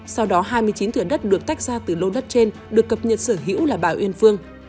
sau đó hai mươi chín thửa đất được tách ra từ lô đất trên được cập nhật sở hữu là bà uyên phương